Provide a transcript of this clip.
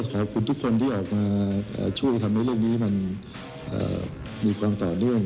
ขอบคุณทุกคนที่ออกมาช่วยทำให้เรื่องนี้มันมีความต่อเนื่อง